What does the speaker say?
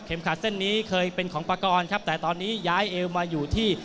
ขาดเส้นนี้เคยเป็นของปากรครับแต่ตอนนี้ย้ายเอวมาอยู่ที่